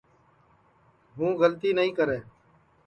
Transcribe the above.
ہُوں گلتی نائی کرے